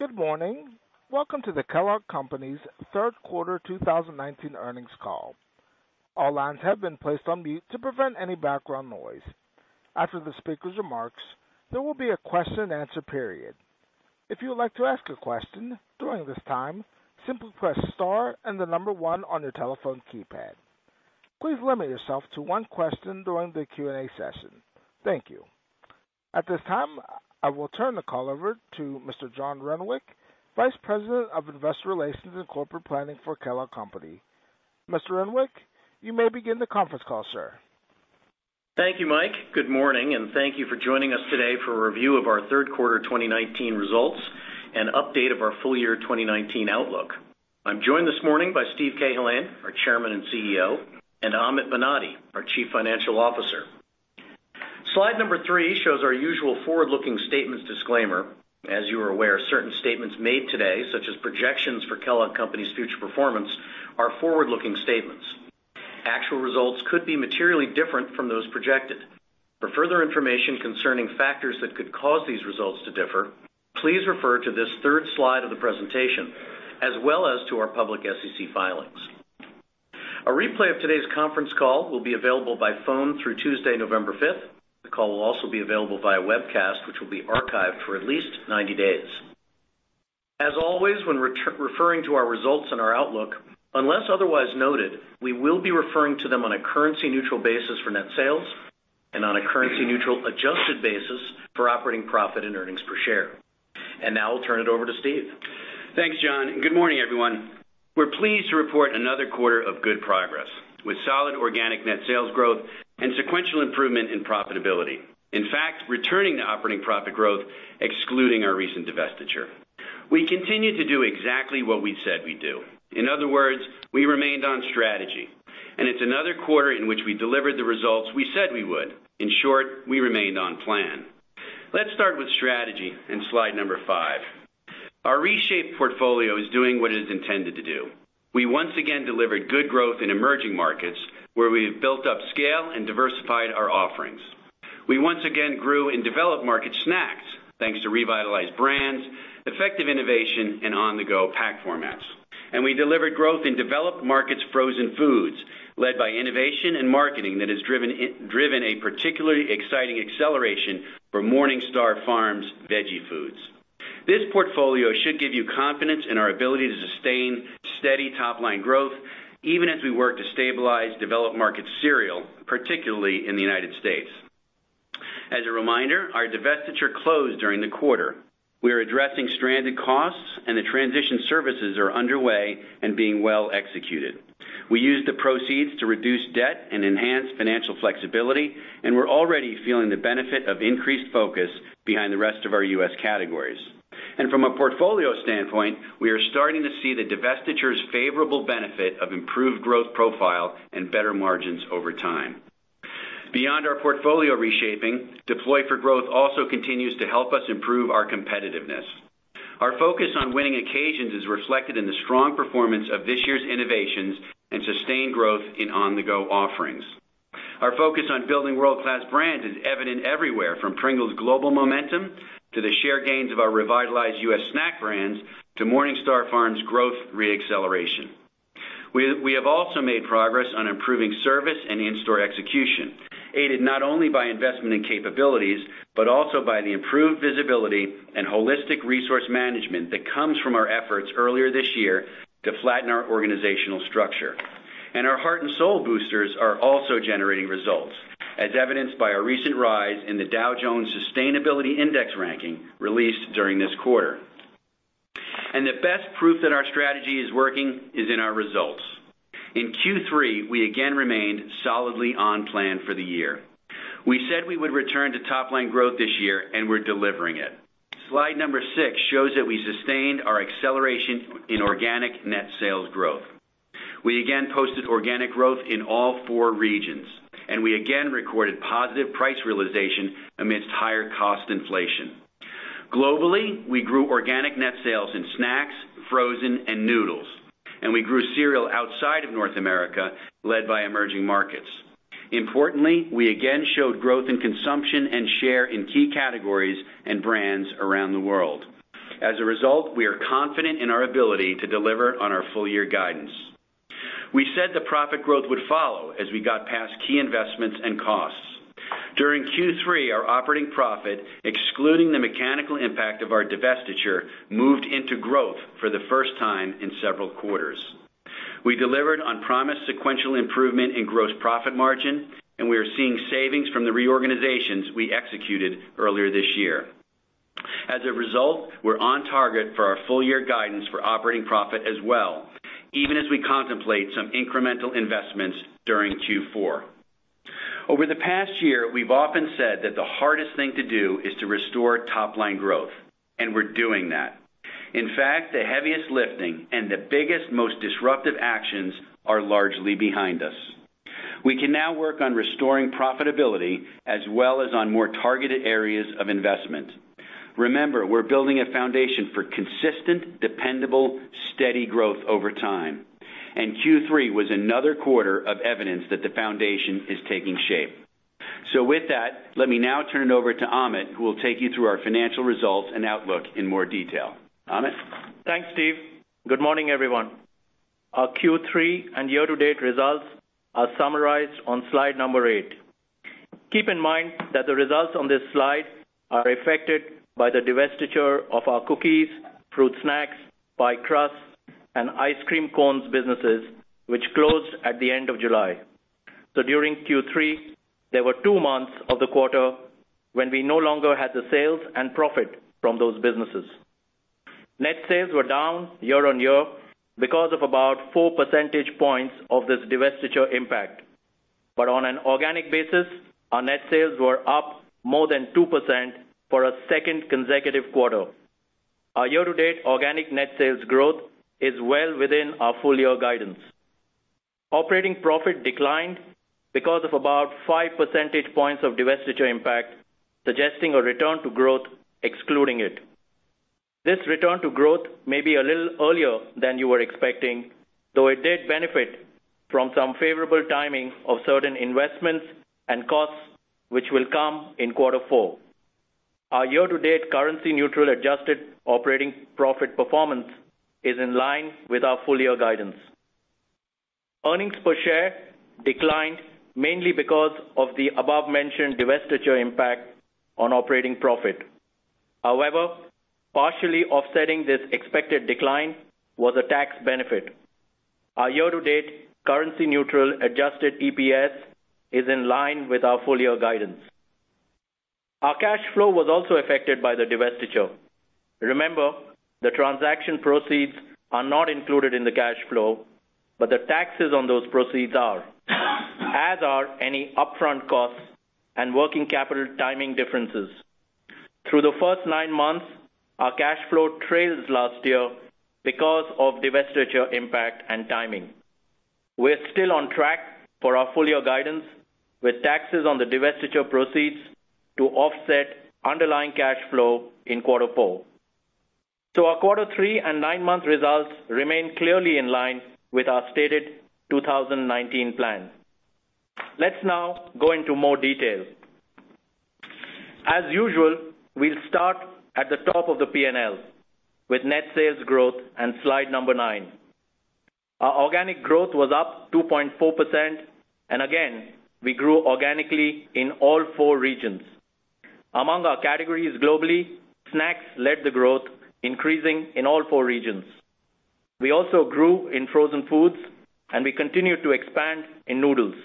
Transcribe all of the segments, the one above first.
Good morning. Welcome to the Kellogg Company's third quarter 2019 earnings call. All lines have been placed on mute to prevent any background noise. After the speaker's remarks, there will be a question and answer period. If you would like to ask a question during this time, simply press star and the number 1 on your telephone keypad. Please limit yourself to one question during the Q&A session. Thank you. At this time, I will turn the call over to Mr. John Renwick, Vice President of Investor Relations and Corporate Planning for Kellogg Company. Mr. Renwick, you may begin the conference call, sir. Thank you, Mike. Good morning, and thank you for joining us today for a review of our third quarter 2019 results and update of our full year 2019 outlook. I'm joined this morning by Steve Cahillane, our Chairman and CEO, and Amit Banati, our Chief Financial Officer. Slide number three shows our usual forward-looking statements disclaimer. As you are aware, certain statements made today, such as projections for Kellogg Company's future performance, are forward-looking statements. Actual results could be materially different from those projected. For further information concerning factors that could cause these results to differ, please refer to this third slide of the presentation as well as to our public SEC filings. A replay of today's conference call will be available by phone through Tuesday, November 5th. The call will also be available via webcast, which will be archived for at least 90 days. As always, when referring to our results and our outlook, unless otherwise noted, we will be referring to them on a currency neutral basis for net sales and on a currency neutral adjusted basis for operating profit and earnings per share. Now I'll turn it over to Steve. Thanks, John. Good morning, everyone. We're pleased to report another quarter of good progress with solid organic net sales growth and sequential improvement in profitability. In fact, returning to operating profit growth, excluding our recent divestiture. We continue to do exactly what we said we'd do. In other words, we remained on strategy. It's another quarter in which we delivered the results we said we would. In short, we remained on plan. Let's start with strategy in slide number five. Our reshaped portfolio is doing what it is intended to do. We once again delivered good growth in emerging markets, where we have built up scale and diversified our offerings. We once again grew and developed market snacks, thanks to revitalized brands, effective innovation, and on-the-go pack formats. We delivered growth in developed markets frozen foods, led by innovation and marketing that has driven a particularly exciting acceleration for MorningStar Farms veggie foods. This portfolio should give you confidence in our ability to sustain steady top line growth, even as we work to stabilize developed market cereal, particularly in the U.S. As a reminder, our divestiture closed during the quarter. We are addressing stranded costs, and the transition services are underway and being well executed. We used the proceeds to reduce debt and enhance financial flexibility, and we're already feeling the benefit of increased focus behind the rest of our U.S. categories. From a portfolio standpoint, we are starting to see the divestiture's favorable benefit of improved growth profile and better margins over time. Beyond our portfolio reshaping, Deploy for Growth also continues to help us improve our competitiveness. Our focus on winning occasions is reflected in the strong performance of this year's innovations and sustained growth in on-the-go offerings. Our focus on building world-class brands is evident everywhere, from Pringles global momentum to the share gains of our revitalized U.S. snack brands to MorningStar Farms growth re-acceleration. We have also made progress on improving service and in-store execution, aided not only by investment in capabilities, but also by the improved visibility and holistic resource management that comes from our efforts earlier this year to flatten our organizational structure. Our heart and soul boosters are also generating results, as evidenced by a recent rise in the Dow Jones Sustainability Index ranking released during this quarter. The best proof that our strategy is working is in our results. In Q3, we again remained solidly on plan for the year. We said we would return to top line growth this year. We're delivering it. Slide number six shows that we sustained our acceleration in organic net sales growth. We again posted organic growth in all four regions. We again recorded positive price realization amidst higher cost inflation. Globally, we grew organic net sales in snacks, frozen, and noodles. We grew cereal outside of North America, led by emerging markets. Importantly, we again showed growth in consumption and share in key categories and brands around the world. As a result, we are confident in our ability to deliver on our full year guidance. We said the profit growth would follow as we got past key investments and costs. During Q3, our operating profit, excluding the mechanical impact of our divestiture, moved into growth for the first time in several quarters. We delivered on promised sequential improvement in gross profit margin, and we are seeing savings from the reorganizations we executed earlier this year. As a result, we're on target for our full year guidance for operating profit as well, even as we contemplate some incremental investments during Q4. Over the past year, we've often said that the hardest thing to do is to restore top line growth, and we're doing that. In fact, the heaviest lifting and the biggest, most disruptive actions are largely behind us. We can now work on restoring profitability as well as on more targeted areas of investment. Remember, we're building a foundation for consistent, dependable, steady growth over time, and Q3 was another quarter of evidence that the foundation is taking shape. With that, let me now turn it over to Amit, who will take you through our financial results and outlook in more detail. Amit? Thanks, Steve. Good morning, everyone. Our Q3 and year-to-date results are summarized on slide number eight. Keep in mind that the results on this slide are affected by the divestiture of our cookies, fruit snacks, pie crusts, and ice cream cones businesses, which closed at the end of July. During Q3, there were two months of the quarter when we no longer had the sales and profit from those businesses. Net sales were down year-on-year because of about four percentage points of this divestiture impact. On an organic basis, our net sales were up more than 2% for a second consecutive quarter. Our year-to-date organic net sales growth is well within our full-year guidance. Operating profit declined because of about five percentage points of divestiture impact, suggesting a return to growth excluding it. This return to growth may be a little earlier than you were expecting, though it did benefit from some favorable timing of certain investments and costs, which will come in quarter four. Our year-to-date currency neutral adjusted operating profit performance is in line with our full-year guidance. Earnings per share declined mainly because of the above-mentioned divestiture impact on operating profit. Partially offsetting this expected decline was a tax benefit. Our year-to-date currency neutral adjusted EPS is in line with our full-year guidance. Our cash flow was also affected by the divestiture. Remember, the transaction proceeds are not included in the cash flow, but the taxes on those proceeds are, as are any upfront costs and working capital timing differences. Through the first nine months, our cash flow trailed last year because of divestiture impact and timing. We're still on track for our full-year guidance, with taxes on the divestiture proceeds to offset underlying cash flow in quarter four. Our quarter three and nine-month results remain clearly in line with our stated 2019 plans. Let's now go into more detail. As usual, we'll start at the top of the P&L with net sales growth and slide number nine. Our organic growth was up 2.4%, and again, we grew organically in all four regions. Among our categories globally, snacks led the growth, increasing in all four regions. We also grew in frozen foods, and we continue to expand in noodles.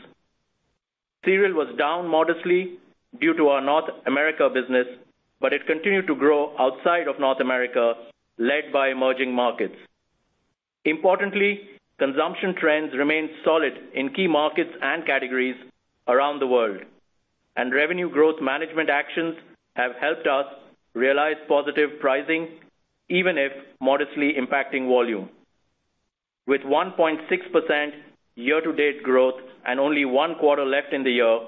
Cereal was down modestly due to our North America business, but it continued to grow outside of North America, led by emerging markets. Importantly, consumption trends remain solid in key markets and categories around the world, and revenue growth management actions have helped us realize positive pricing, even if modestly impacting volume. With 1.6% year-to-date growth and only one quarter left in the year,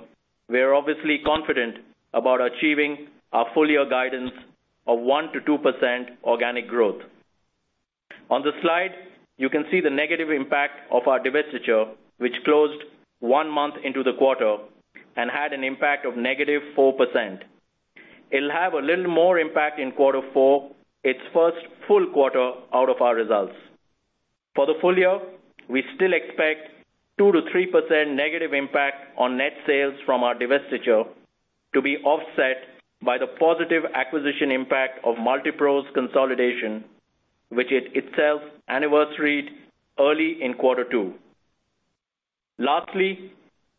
we are obviously confident about achieving our full-year guidance of 1%-2% organic growth. On the slide, you can see the negative impact of our divestiture, which closed one month into the quarter and had an impact of -4%. It'll have a little more impact in quarter four, its first full quarter out of our results. For the full year, we still expect 2%-3% negative impact on net sales from our divestiture to be offset by the positive acquisition impact of Multipro's consolidation, which it itself anniversaried early in quarter two. Lastly,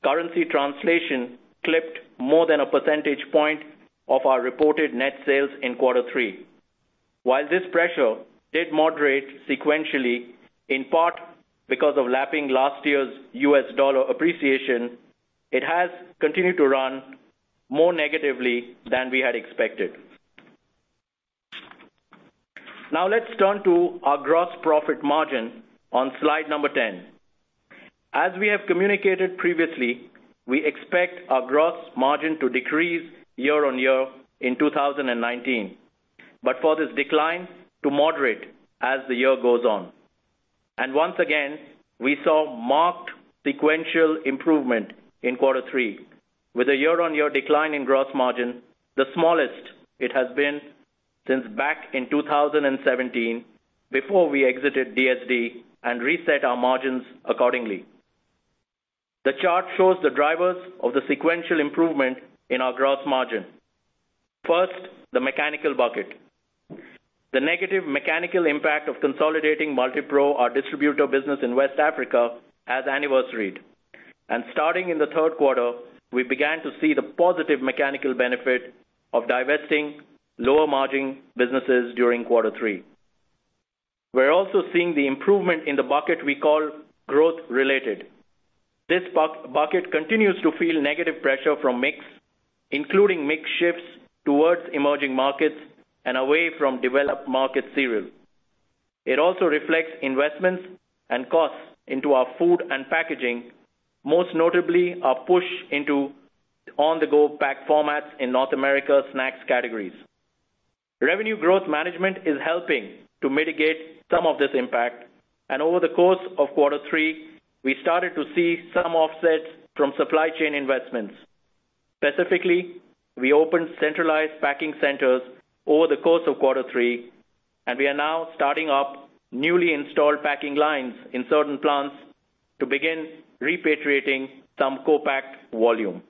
currency translation clipped more than a percentage point of our reported net sales in quarter three. While this pressure did moderate sequentially, in part because of lapping last year's U.S. dollar appreciation, it has continued to run more negatively than we had expected. Let's turn to our gross profit margin on slide number 10. As we have communicated previously, we expect our gross margin to decrease year-on-year in 2019, but for this decline to moderate as the year goes on. Once again, we saw marked sequential improvement in quarter three with a year-on-year decline in gross margin, the smallest it has been since back in 2017, before we exited DSD and reset our margins accordingly. The chart shows the drivers of the sequential improvement in our gross margin. First, the mechanical bucket. The negative mechanical impact of consolidating Multipro, our distributor business in West Africa, has anniversaried. Starting in the third quarter, we began to see the positive mechanical benefit of divesting lower-margin businesses during quarter three. We're also seeing the improvement in the bucket we call growth-related. This bucket continues to feel negative pressure from mix, including mix shifts towards emerging markets and away from developed market cereal. It also reflects investments and costs into our food and packaging, most notably our push into on-the-go pack formats in North America snacks categories. Revenue growth management is helping to mitigate some of this impact. Over the course of quarter three, we started to see some offsets from supply chain investments. Specifically, we opened centralized packing centers over the course of quarter three, and we are now starting up newly installed packing lines in certain plants to begin repatriating some co-packed volume.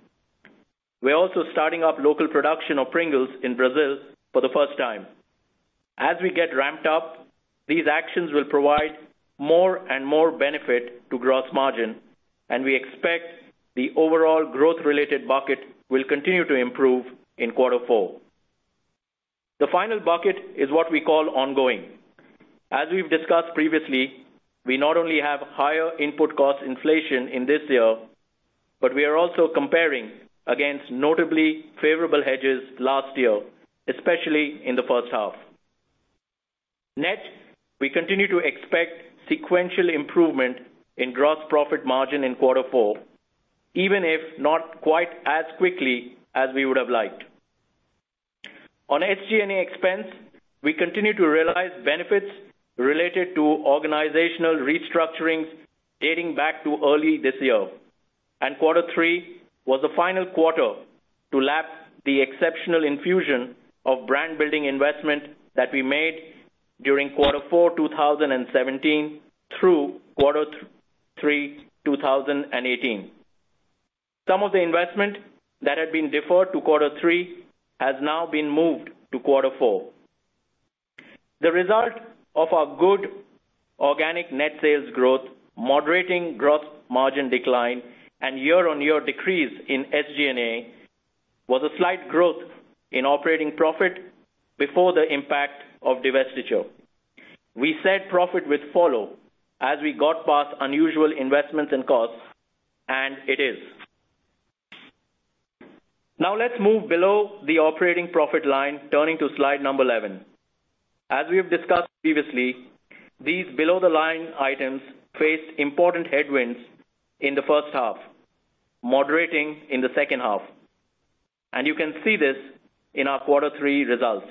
We're also starting up local production of Pringles in Brazil for the first time. As we get ramped up, these actions will provide more and more benefit to gross margin, and we expect the overall growth-related bucket will continue to improve in quarter four. The final bucket is what we call ongoing. As we've discussed previously, we not only have higher input cost inflation in this year, but we are also comparing against notably favorable hedges last year, especially in the first half. Net, we continue to expect sequential improvement in gross profit margin in quarter four, even if not quite as quickly as we would have liked. On SG&A expense, we continue to realize benefits related to organizational restructurings dating back to early this year. Quarter three was the final quarter to lap the exceptional infusion of brand-building investment that we made during quarter four 2017 through quarter three 2018. Some of the investment that had been deferred to quarter three has now been moved to quarter four. The result of our good organic net sales growth, moderating gross margin decline, and year-on-year decrease in SG&A was a slight growth in operating profit before the impact of divestiture. We said profit would follow as we got past unusual investments and costs, and it is. Now let's move below the operating profit line, turning to slide number 11. As we have discussed previously, these below-the-line items faced important headwinds in the first half, moderating in the second half. You can see this in our quarter three results.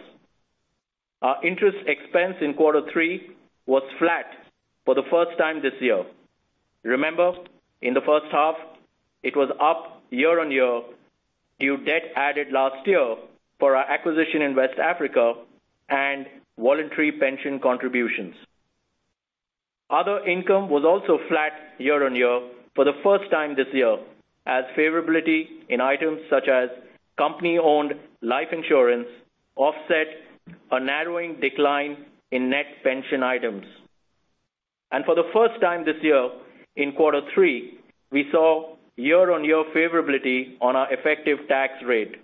Our interest expense in quarter three was flat for the first time this year. Remember, in the first half, it was up year-on-year due debt added last year for our acquisition in West Africa and voluntary pension contributions. Other income was also flat year-on-year for the first time this year, as favorability in items such as company-owned life insurance offset a narrowing decline in net pension items. For the first time this year, in quarter three, we saw year-on-year favorability on our effective tax rate.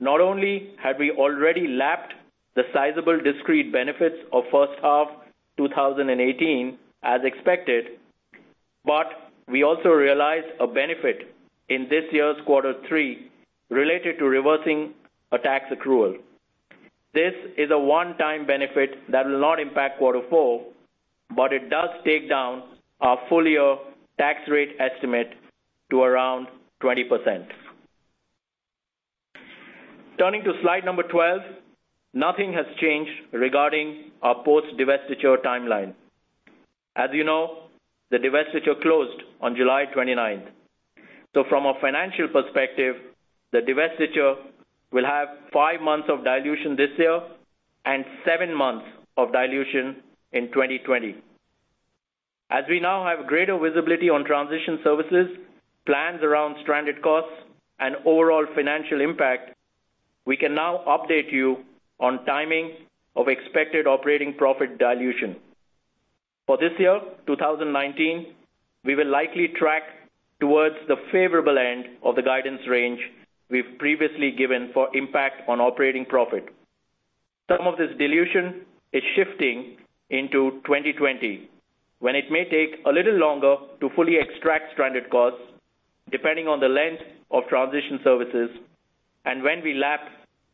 Not only had we already lapped the sizable discrete benefits of first half 2018 as expected, but we also realized a benefit in this year's quarter three related to reversing a tax accrual. This is a one-time benefit that will not impact quarter four, but it does take down our full-year tax rate estimate to around 20%. Turning to slide number 12, nothing has changed regarding our post-divestiture timeline. As you know, the divestiture closed on July 29th. From a financial perspective, the divestiture will have five months of dilution this year and seven months of dilution in 2020. As we now have greater visibility on transition services, plans around stranded costs, and overall financial impact, we can now update you on timing of expected operating profit dilution. For this year, 2019, we will likely track towards the favorable end of the guidance range we've previously given for impact on operating profit. Some of this dilution is shifting into 2020, when it may take a little longer to fully extract stranded costs, depending on the length of transition services and when we lap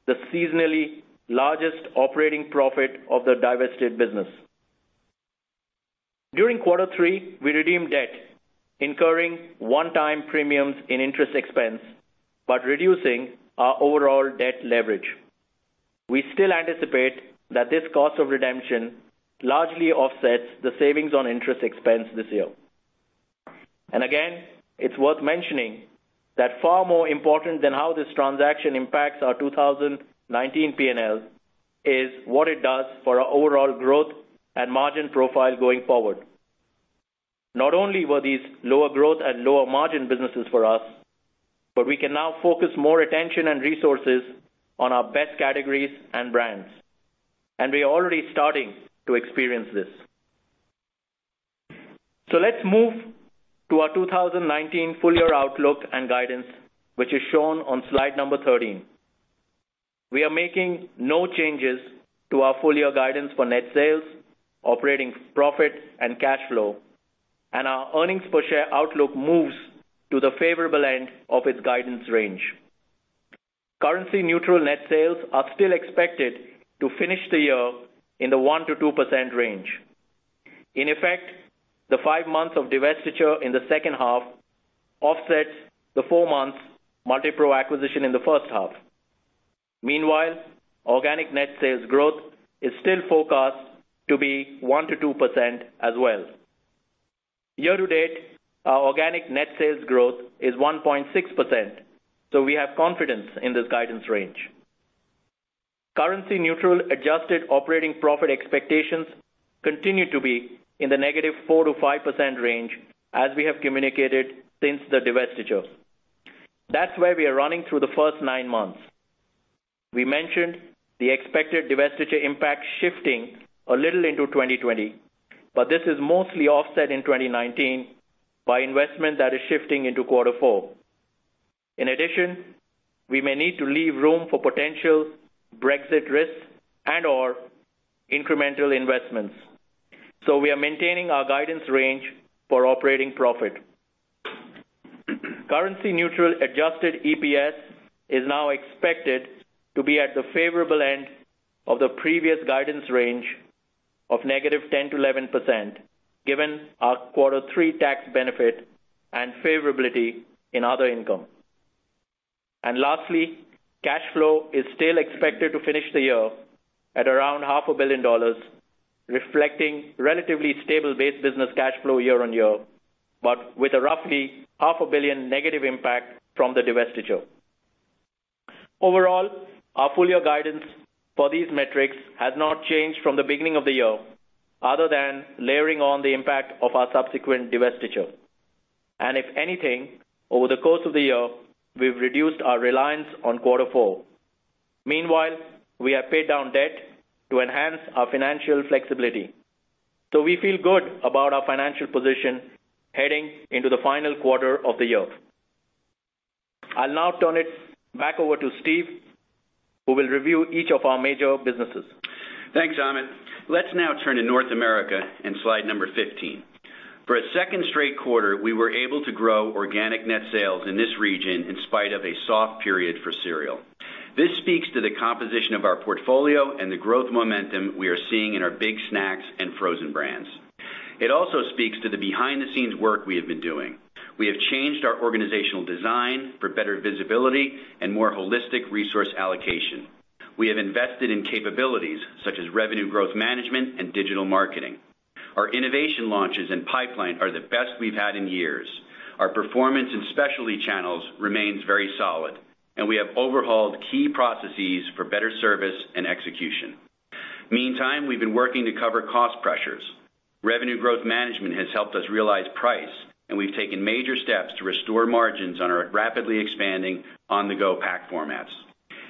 the seasonally largest operating profit of the divested business. During quarter three, we redeemed debt, incurring one-time premiums in interest expense, but reducing our overall debt leverage. We still anticipate that this cost of redemption largely offsets the savings on interest expense this year. Again, it's worth mentioning that far more important than how this transaction impacts our 2019 P&L is what it does for our overall growth and margin profile going forward. Not only were these lower growth and lower margin businesses for us, but we can now focus more attention and resources on our best categories and brands. We are already starting to experience this. Let's move to our 2019 full-year outlook and guidance, which is shown on slide number 13. We are making no changes to our full-year guidance for net sales, operating profit, and cash flow, and our earnings-per-share outlook moves to the favorable end of its guidance range. Currency neutral net sales are still expected to finish the year in the 1%-2% range. In effect, the five months of divestiture in the second half offsets the four months Multipro acquisition in the first half. Meanwhile, organic net sales growth is still forecast to be 1% to 2% as well. Year to date, our organic net sales growth is 1.6%. We have confidence in this guidance range. Currency neutral adjusted operating profit expectations continue to be in the -4% to 5% range as we have communicated since the divestiture. That's where we are running through the first nine months. We mentioned the expected divestiture impact shifting a little into 2020. This is mostly offset in 2019 by investment that is shifting into quarter four. In addition, we may need to leave room for potential Brexit risks and/or incremental investments. We are maintaining our guidance range for operating profit. Currency neutral adjusted EPS is now expected to be at the favorable end of the previous guidance range of -10% to 11%, given our quarter 3 tax benefit and favorability in other income. Lastly, cash flow is still expected to finish the year at around half a billion dollars, reflecting relatively stable base business cash flow year on year, but with a roughly half a billion negative impact from the divestiture. Overall, our full year guidance for these metrics has not changed from the beginning of the year, other than layering on the impact of our subsequent divestiture. If anything, over the course of the year, we've reduced our reliance on quarter 4. Meanwhile, we have paid down debt to enhance our financial flexibility. We feel good about our financial position heading into the final quarter of the year. I'll now turn it back over to Steve, who will review each of our major businesses. Thanks, Amit. Let's now turn to North America in slide number 15. For a second straight quarter, we were able to grow organic net sales in this region in spite of a soft period for cereal. This speaks to the composition of our portfolio and the growth momentum we are seeing in our big snacks and frozen brands. It also speaks to the behind-the-scenes work we have been doing. We have changed our organizational design for better visibility and more holistic resource allocation. We have invested in capabilities such as revenue growth management and digital marketing. Our innovation launches and pipeline are the best we've had in years. Our performance in specialty channels remains very solid, and we have overhauled key processes for better service and execution. Meantime, we've been working to cover cost pressures. Revenue growth management has helped us realize price, and we've taken major steps to restore margins on our rapidly expanding on-the-go pack formats.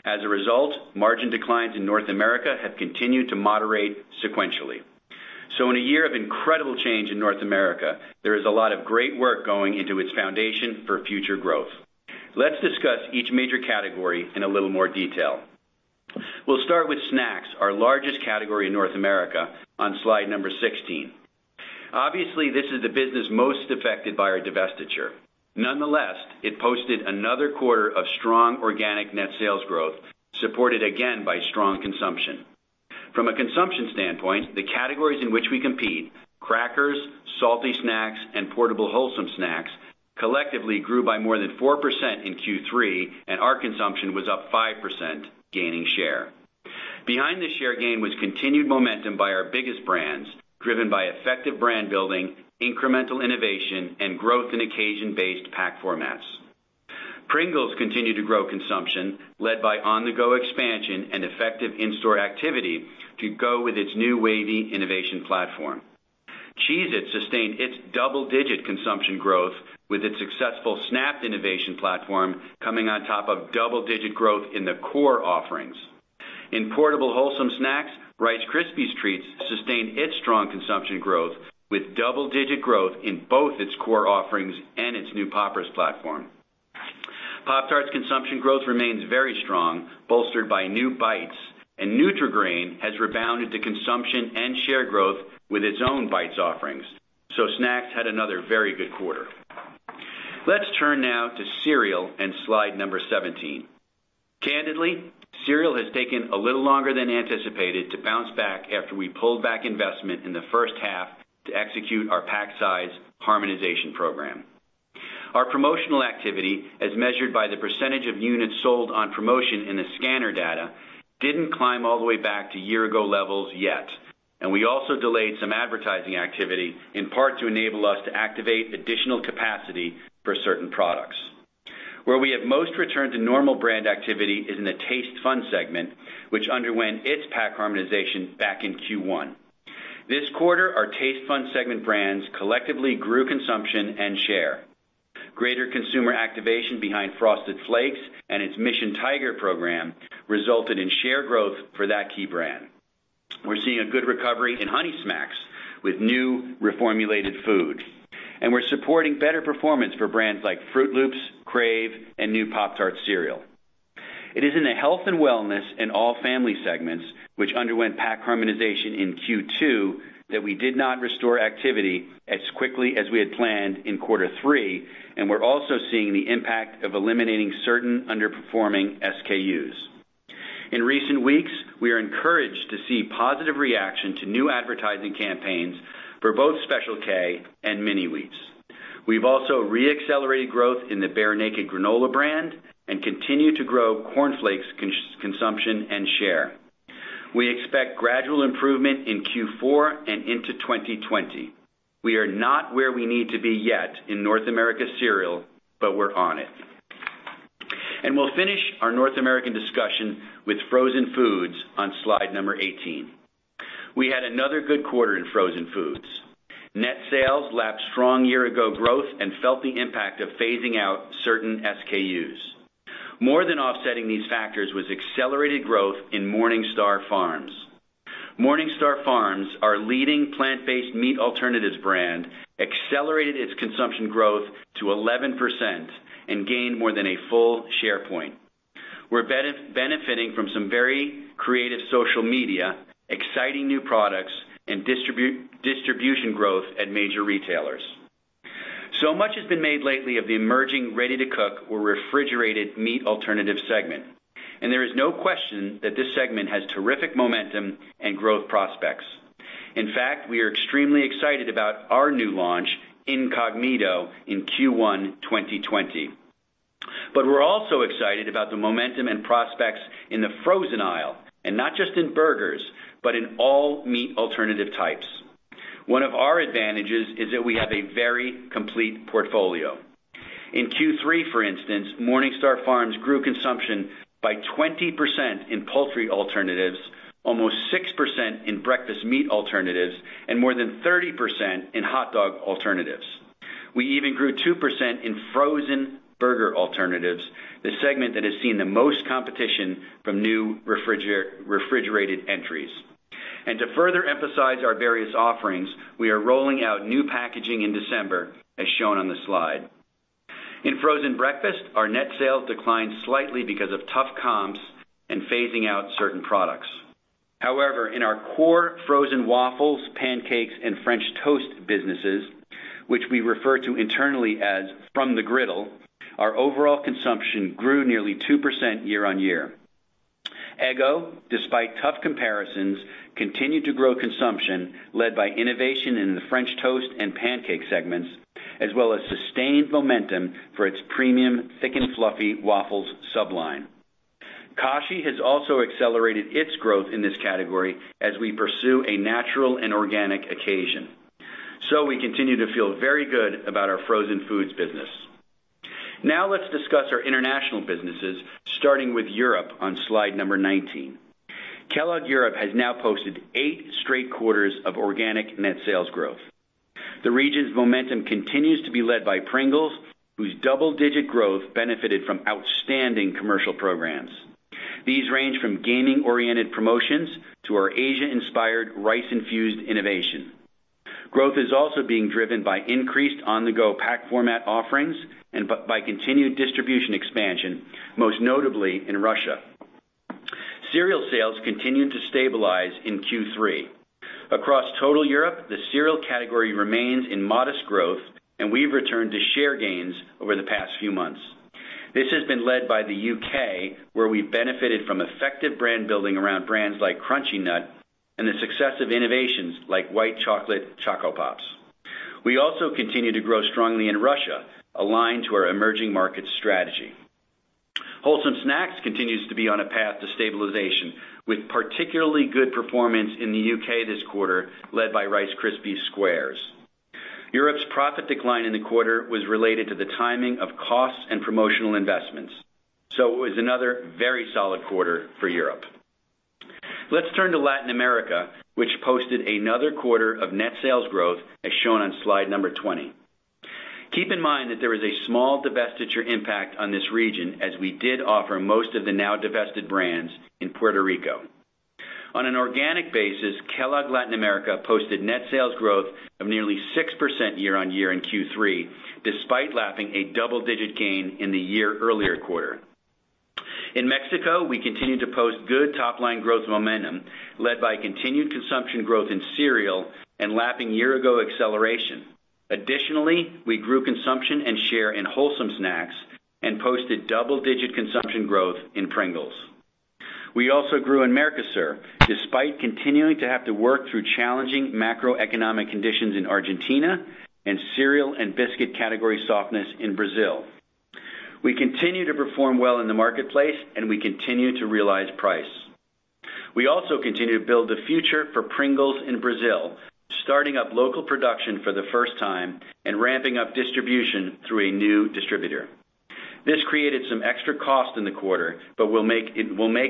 As a result, margin declines in North America have continued to moderate sequentially. In a year of incredible change in North America, there is a lot of great work going into its foundation for future growth. Let's discuss each major category in a little more detail. We'll start with snacks, our largest category in North America on slide number 16. Obviously, this is the business most affected by our divestiture. Nonetheless, it posted another quarter of strong organic net sales growth, supported again by strong consumption. From a consumption standpoint, the categories in which we compete, crackers, salty snacks, and portable wholesome snacks collectively grew by more than 4% in Q3, and our consumption was up 5%, gaining share. Behind the share gain was continued momentum by our biggest brands, driven by effective brand building, incremental innovation, and growth in occasion-based pack formats. Pringles continued to grow consumption, led by on-the-go expansion and effective in-store activity to go with its new Wavy innovation platform. Cheez-It sustained its double-digit consumption growth with its successful Snap'd innovation platform coming on top of double-digit growth in the core offerings. In portable wholesome snacks, Rice Krispies Treats sustained its strong consumption growth with double-digit growth in both its core offerings and its new Poppers platform. Pop-Tarts consumption growth remains very strong, bolstered by new Bites, and Nutri-Grain has rebounded to consumption and share growth with its own Bites offerings. Snacks had another very good quarter. Let's turn now to cereal and slide number 17. Candidly, cereal has taken a little longer than anticipated to bounce back after we pulled back investment in the first half to execute our pack size harmonization program. Our promotional activity, as measured by the percentage of units sold on promotion in the scanner data, didn't climb all the way back to year ago levels yet, and we also delayed some advertising activity in part to enable us to activate additional capacity for certain products. Where we have most returned to normal brand activity is in the Taste Fun segment, which underwent its pack harmonization back in Q1. This quarter, our Taste Fun segment brands collectively grew consumption and share. Greater consumer activation behind Frosted Flakes and its Mission Tiger program resulted in share growth for that key brand. We're seeing a good recovery in Honey Smacks with new reformulated food. We're supporting better performance for brands like Froot Loops, Krave, and new Pop-Tarts Cereal. It is in the health and wellness and all family segments, which underwent pack harmonization in Q2, that we did not restore activity as quickly as we had planned in quarter three, and we're also seeing the impact of eliminating certain underperforming SKUs. In recent weeks, we are encouraged to see positive reaction to new advertising campaigns for both Special K and Mini-Wheats. We've also re-accelerated growth in the Bear Naked granola brand and continue to grow Corn Flakes consumption and share. We expect gradual improvement in Q4 and into 2020. We are not where we need to be yet in North America Cereal, we're on it. We'll finish our North American discussion with frozen foods on slide number 18. We had another good quarter in frozen foods. Net sales lapped strong year ago growth and felt the impact of phasing out certain SKUs. More than offsetting these factors was accelerated growth in MorningStar Farms. MorningStar Farms, our leading plant-based meat alternatives brand, accelerated its consumption growth to 11% and gained more than a full share point. We're benefiting from some very creative social media, exciting new products, and distribution growth at major retailers. Much has been made lately of the emerging ready-to-cook or refrigerated meat alternative segment, and there is no question that this segment has terrific momentum and growth prospects. In fact, we are extremely excited about our new launch, Incogmeato, in Q1 2020. We're also excited about the momentum and prospects in the frozen aisle, and not just in burgers, but in all meat alternative types. One of our advantages is that we have a very complete portfolio. In Q3, for instance, MorningStar Farms grew consumption by 20% in poultry alternatives, almost 6% in breakfast meat alternatives, and more than 30% in hot dog alternatives. We even grew 2% in frozen burger alternatives, the segment that has seen the most competition from new refrigerated entries. To further emphasize our various offerings, we are rolling out new packaging in December, as shown on the slide. In frozen breakfast, our net sales declined slightly because of tough comps and phasing out certain products. In our core frozen waffles, pancakes, and French toast businesses, which we refer to internally as From the Griddle, our overall consumption grew nearly 2% year-on-year. Eggo, despite tough comparisons, continued to grow consumption, led by innovation in the French toast and pancake segments, as well as sustained momentum for its premium Thick & Fluffy waffles sub-line. Kashi has also accelerated its growth in this category as we pursue a natural and organic occasion. We continue to feel very good about our frozen foods business. Let's discuss our international businesses, starting with Europe on slide number 19. Kellogg Europe has now posted eight straight quarters of organic net sales growth. The region's momentum continues to be led by Pringles, whose double-digit growth benefited from outstanding commercial programs. These range from gaming-oriented promotions to our Asia-inspired rice-infused innovation. Growth is also being driven by increased on-the-go pack format offerings and by continued distribution expansion, most notably in Russia. Cereal sales continued to stabilize in Q3. Across total Europe, the cereal category remains in modest growth, and we've returned to share gains over the past few months. This has been led by the U.K., where we benefited from effective brand building around brands like Crunchy Nut and the success of innovations like White Chocolate Coco Pops. We also continue to grow strongly in Russia, aligned to our emerging market strategy. Wholesome snacks continues to be on a path to stabilization, with particularly good performance in the U.K. this quarter, led by Rice Krispies Squares. Europe's profit decline in the quarter was related to the timing of costs and promotional investments. It was another very solid quarter for Europe. Let's turn to Latin America, which posted another quarter of net sales growth, as shown on slide number 20. Keep in mind that there is a small divestiture impact on this region, as we did offer most of the now divested brands in Puerto Rico. On an organic basis, Kellogg Latin America posted net sales growth of nearly 6% year on year in Q3, despite lapping a double-digit gain in the year-earlier quarter. In Mexico, we continued to post good top-line growth momentum, led by continued consumption growth in cereal and lapping year-ago acceleration. Additionally, we grew consumption and share in wholesome snacks and posted double-digit consumption growth in Pringles. We also grew in Mercosur, despite continuing to have to work through challenging macroeconomic conditions in Argentina and cereal and biscuit category softness in Brazil. We continue to perform well in the marketplace, and we continue to realize price. We also continue to build the future for Pringles in Brazil, starting up local production for the first time and ramping up distribution through a new distributor. This created some extra cost in the quarter, but will make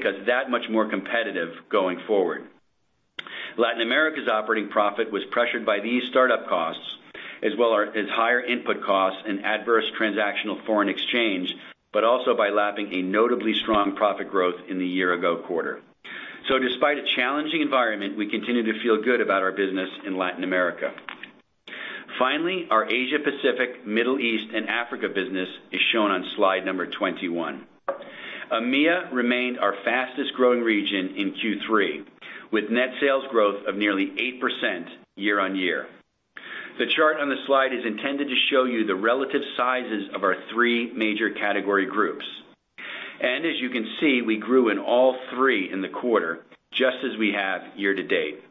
us that much more competitive going forward. Latin America's operating profit was pressured by these startup costs, as well as higher input costs and adverse transactional foreign exchange, but also by lapping a notably strong profit growth in the year-ago quarter. Despite a challenging environment, we continue to feel good about our business in Latin America. Finally, our Asia Pacific, Middle East, and Africa business is shown on slide number 21. AMEA remained our fastest-growing region in Q3, with net sales growth of nearly 8% year-on-year. The chart on the slide is intended to show you the relative sizes of our three major category groups. As you can see, we grew in all three in the quarter, just as we have year-to-date.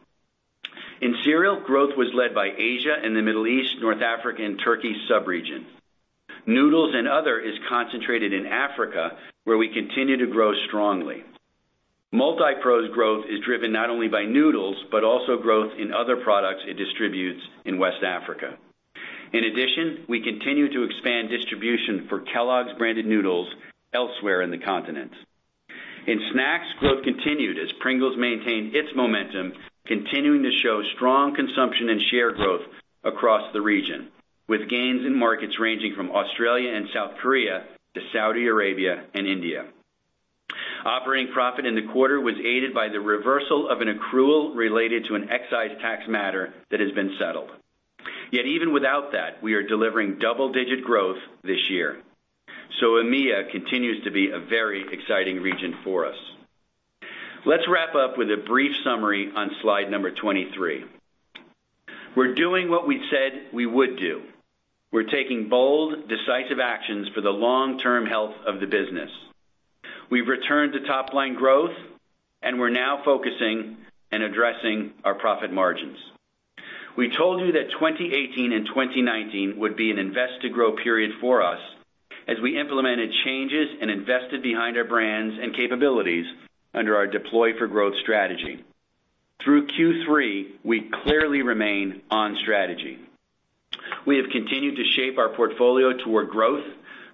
In cereal, growth was led by Asia and the Middle East, North Africa and Turkey sub-region. Noodles and other is concentrated in Africa, where we continue to grow strongly. Multipro's growth is driven not only by noodles, but also growth in other products it distributes in West Africa. In addition, we continue to expand distribution for Kellogg's branded noodles elsewhere in the continent. In snacks, growth continued as Pringles maintained its momentum, continuing to show strong consumption and share growth across the region, with gains in markets ranging from Australia and South Korea to Saudi Arabia and India. Operating profit in the quarter was aided by the reversal of an accrual related to an excise tax matter that has been settled. Yet even without that, we are delivering double-digit growth this year. EMEA continues to be a very exciting region for us. Let's wrap up with a brief summary on slide number 23. We're doing what we said we would do. We're taking bold, decisive actions for the long-term health of the business. We've returned to top-line growth, and we're now focusing and addressing our profit margins. We told you that 2018 and 2019 would be an invest to grow period for us, as we implemented changes and invested behind our brands and capabilities under our Deploy for Growth strategy. Through Q3, we clearly remain on strategy. We have continued to shape our portfolio toward growth,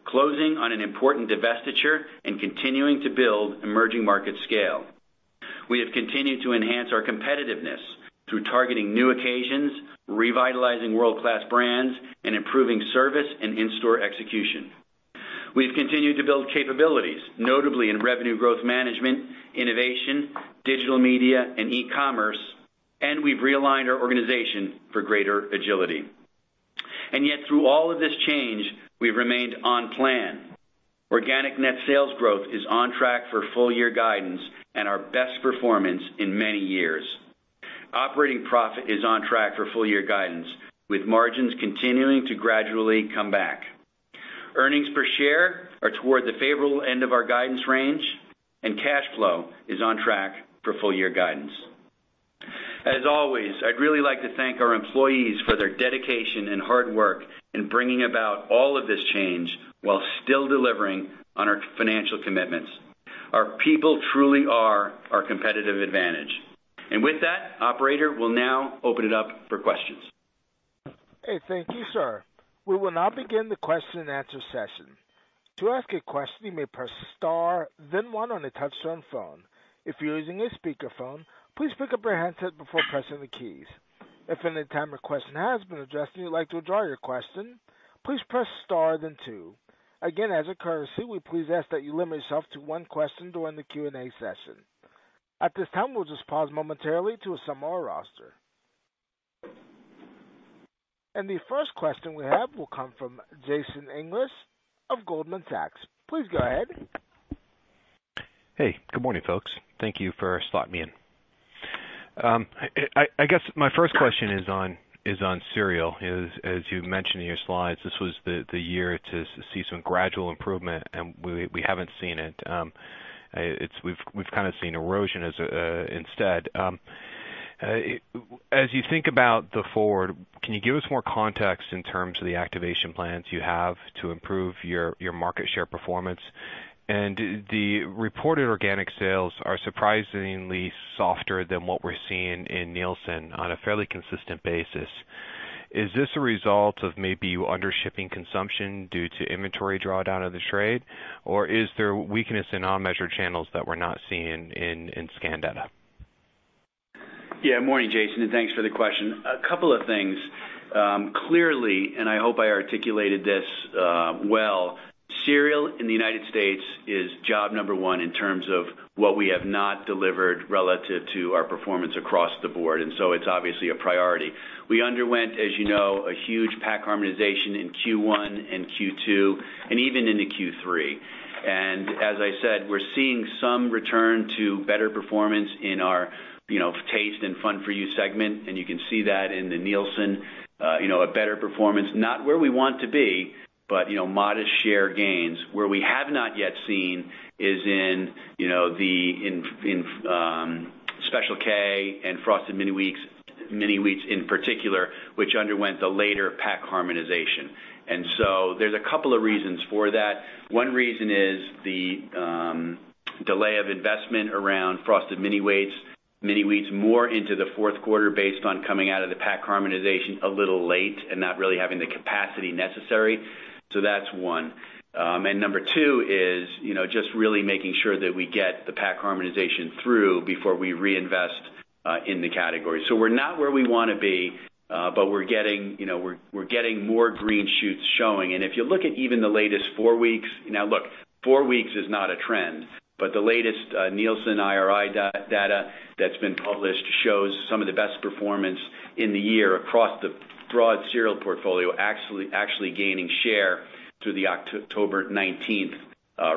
closing on an important divestiture and continuing to build emerging market scale. We have continued to enhance our competitiveness through targeting new occasions, revitalizing world-class brands, and improving service and in-store execution. We've continued to build capabilities, notably in revenue growth management, innovation, digital media, and e-commerce, and we've realigned our organization for greater agility. Yet through all of this change, we've remained on plan. Organic net sales growth is on track for full year guidance and our best performance in many years. Operating profit is on track for full year guidance, with margins continuing to gradually come back. Earnings per share are toward the favorable end of our guidance range, and cash flow is on track for full year guidance. As always, I'd really like to thank our employees for their dedication and hard work in bringing about all of this change while still delivering on our financial commitments. Our people truly are our competitive advantage. With that, operator, we'll now open it up for questions. Hey, thank you, sir. We will now begin the question and answer session. To ask a question, you may press star, then one on a touch-tone phone. If you're using a speakerphone, please pick up your handset before pressing the keys. If at any time your question has been addressed and you'd like to withdraw your question, please press star, then two. Again, as a courtesy, we please ask that you limit yourself to one question during the Q&A session. At this time, we'll just pause momentarily to assemble our roster. The first question we have will come from Jason English of Goldman Sachs. Please go ahead. Hey, good morning, folks. Thank you for slotting me in. I guess my first question is on cereal. As you mentioned in your slides, this was the year to see some gradual improvement, and we haven't seen it. We've kind of seen erosion instead. As you think about the forward, can you give us more context in terms of the activation plans you have to improve your market share performance? The reported organic sales are surprisingly softer than what we're seeing in Nielsen on a fairly consistent basis. Is this a result of maybe you under shipping consumption due to inventory drawdown of the trade? Or is there weakness in unmeasured channels that we're not seeing in scan data? Yeah. Morning, Jason, and thanks for the question. A couple of things. Clearly, and I hope I articulated this well, cereal in the United States is job number one in terms of what we have not delivered relative to our performance across the board, and so it's obviously a priority. We underwent, as you know, a huge pack harmonization in Q1 and Q2 and even into Q3. As I said, we're seeing some return to better performance in our Taste and Fun for You segment, and you can see that in the Nielsen, a better performance, not where we want to be, but modest share gains. Where we have not yet seen is in Special K and Frosted Mini-Wheats in particular, which underwent the later pack harmonization. There's a couple of reasons for that. One reason is the delay of investment around Frosted Mini-Wheats more into the fourth quarter based on coming out of the pack harmonization a little late and not really having the capacity necessary. That's one. Number 2 is just really making sure that we get the pack harmonization through before we reinvest in the category. We're not where we want to be, but we're getting more green shoots showing. If you look at even the latest four weeks, now look, four weeks is not a trend, but the latest Nielsen IRI data that's been published shows some of the best performance in the year across the broad cereal portfolio, actually gaining share through the October 19th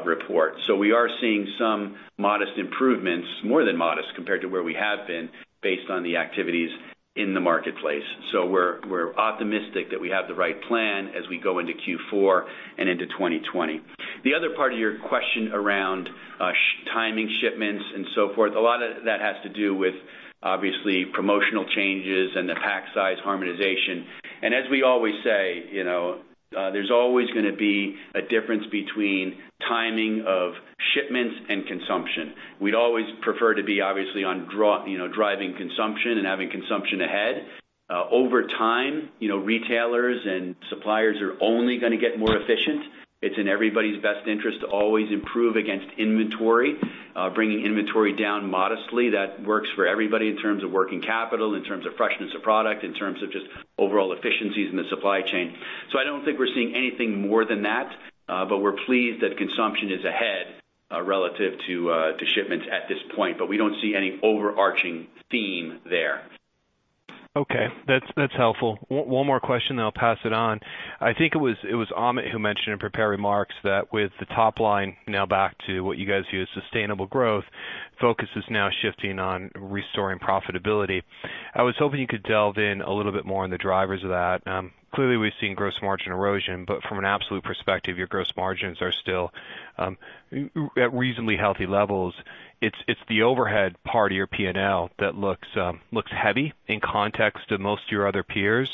Report. We are seeing some modest improvements, more than modest compared to where we have been based on the activities in the marketplace. We're optimistic that we have the right plan as we go into Q4 and into 2020. The other part of your question around timing shipments and so forth, a lot of that has to do with obviously promotional changes and the pack size harmonization. As we always say, there's always going to be a difference between timing of shipments and consumption. We'd always prefer to be obviously on driving consumption and having consumption ahead. Over time, retailers and suppliers are only going to get more efficient. It's in everybody's best interest to always improve against inventory, bringing inventory down modestly. That works for everybody in terms of working capital, in terms of freshness of product, in terms of just overall efficiencies in the supply chain. I don't think we're seeing anything more than that, but we're pleased that consumption is ahead relative to shipments at this point. We don't see any overarching theme there. Okay. That's helpful. One more question then I'll pass it on. I think it was Amit who mentioned in prepared remarks that with the top line now back to what you guys view as sustainable growth, focus is now shifting on restoring profitability. I was hoping you could delve in a little bit more on the drivers of that. Clearly, we've seen gross margin erosion, but from an absolute perspective, your gross margins are still at reasonably healthy levels. It's the overhead part of your P&L that looks heavy in context of most of your other peers.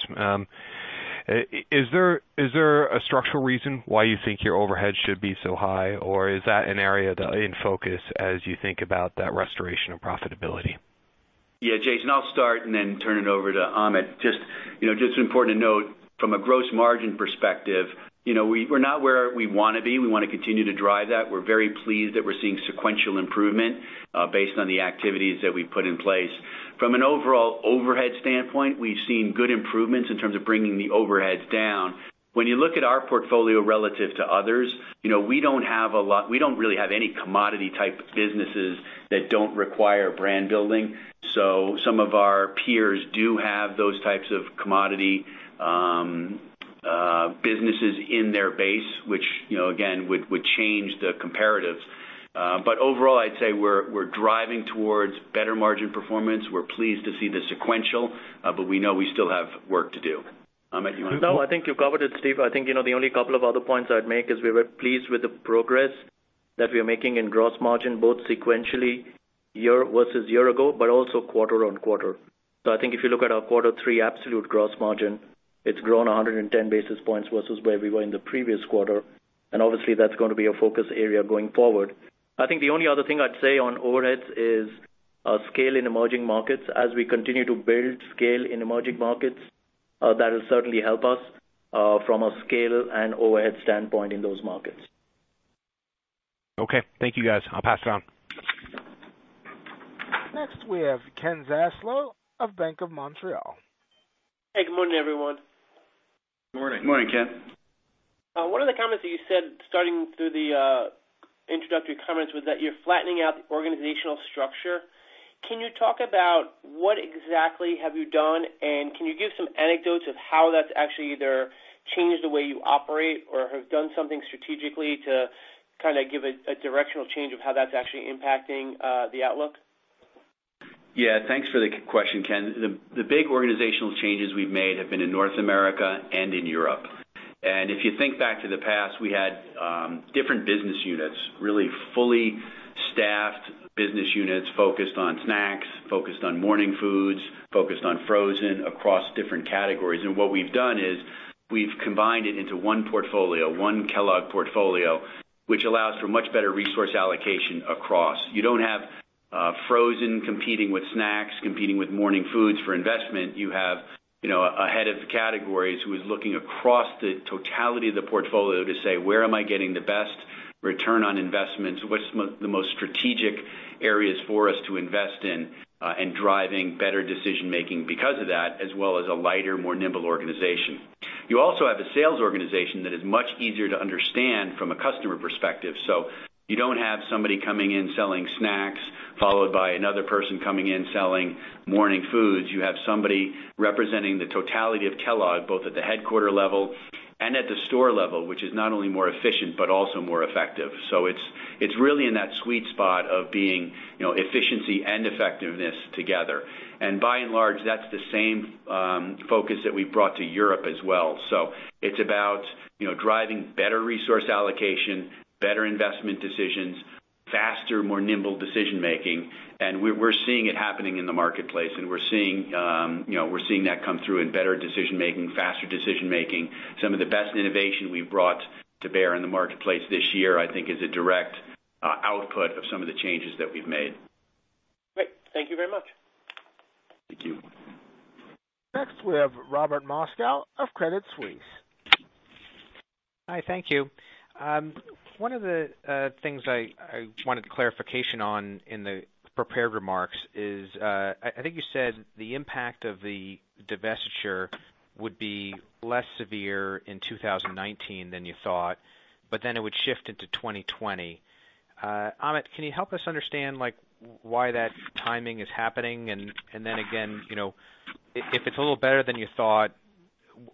Is there a structural reason why you think your overhead should be so high, or is that an area in focus as you think about that restoration of profitability? Yeah, Jason, I'll start and then turn it over to Amit. Just important to note, from a gross margin perspective, we're not where we want to be. We want to continue to drive that. We're very pleased that we're seeing sequential improvement based on the activities that we've put in place. From an overall overhead standpoint, we've seen good improvements in terms of bringing the overheads down. When you look at our portfolio relative to others, we don't really have any commodity type businesses that don't require brand building. Some of our peers do have those types of commodity businesses in their base, which again, would change the comparatives. Overall, I'd say we're driving towards better margin performance. We're pleased to see the sequential, but we know we still have work to do. Amit, you want to. No, I think you covered it, Steve. I think, the only couple of other points I'd make is we're very pleased with the progress that we are making in gross margin, both sequentially year versus year ago, but also quarter on quarter. I think if you look at our quarter three absolute gross margin, it's grown 110 basis points versus where we were in the previous quarter, and obviously that's going to be a focus area going forward. I think the only other thing I'd say on overheads is our scale in emerging markets. As we continue to build scale in emerging markets, that'll certainly help us from a scale and overhead standpoint in those markets. Okay. Thank you guys. I'll pass it on. Next, we have Ken Zaslow of Bank of Montreal. Hey, good morning, everyone. Morning. Morning, Ken. One of the comments that you said starting through the introductory comments was that you're flattening out the organizational structure. Can you talk about what exactly have you done, and can you give some anecdotes of how that's actually either changed the way you operate or have done something strategically to give a directional change of how that's actually impacting the outlook? Thanks for the question, Ken. The big organizational changes we've made have been in North America and in Europe. If you think back to the past, we had different business units, really fully staffed business units focused on snacks, focused on morning foods, focused on frozen across different categories. What we've done is we've combined it into one portfolio, one Kellogg portfolio, which allows for much better resource allocation across. You don't have frozen competing with snacks, competing with morning foods for investment. You have a head of categories who is looking across the totality of the portfolio to say, "Where am I getting the best return on investment? What's the most strategic areas for us to invest in?" Driving better decision making because of that, as well as a lighter, more nimble organization. You also have a sales organization that is much easier to understand from a customer perspective. You don't have somebody coming in selling snacks, followed by another person coming in selling morning foods. You have somebody representing the totality of Kellogg, both at the headquarter level and at the store level, which is not only more efficient, but also more effective. It's really in that sweet spot of being efficiency and effectiveness together. By and large, that's the same focus that we've brought to Europe as well. It's about driving better resource allocation, better investment decisions, faster, more nimble decision making, and we're seeing it happening in the marketplace, and we're seeing that come through in better decision making, faster decision making. Some of the best innovation we've brought to bear in the marketplace this year, I think is a direct output of some of the changes that we've made. Great. Thank you very much. Thank you. Next, we have Robert Moskow of Credit Suisse. Hi, thank you. One of the things I wanted clarification on in the prepared remarks is, I think you said the impact of the divestiture would be less severe in 2019 than you thought, but then it would shift into 2020. Amit, can you help us understand why that timing is happening, and again, if it's a little better than you thought?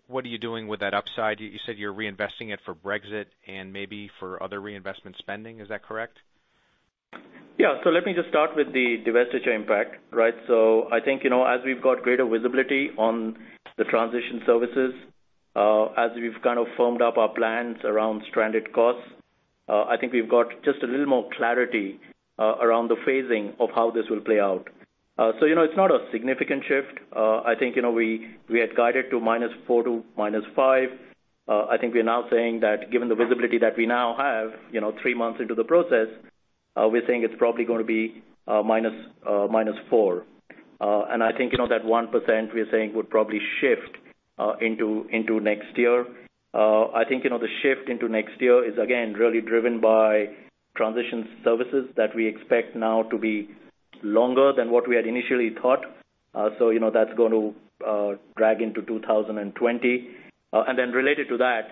What are you doing with that upside? You said you're reinvesting it for Brexit and maybe for other reinvestment spending, is that correct? Yeah. Let me just start with the divestiture impact, right? I think, as we've got greater visibility on the transition services, as we've kind of firmed up our plans around stranded costs, I think we've got just a little more clarity around the phasing of how this will play out. It's not a significant shift. I think we had guided to -4 to -5. I think we are now saying that given the visibility that we now have, 3 months into the process, we're saying it's probably going to be -4. I think, that 1% we are saying would probably shift into next year. I think, the shift into next year is again, really driven by transition services that we expect now to be longer than what we had initially thought. That's going to drag into 2020. Related to that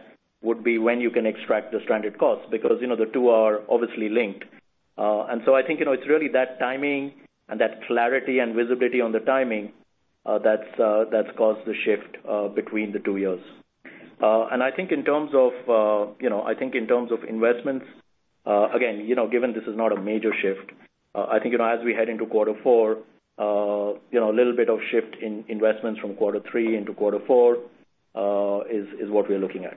would be when you can extract the stranded costs because the two are obviously linked. I think, it's really that timing and that clarity and visibility on the timing that's caused the shift between the two years. I think in terms of investments, again, given this is not a major shift, I think, as we head into quarter four, a little bit of shift in investments from quarter three into quarter four, is what we're looking at.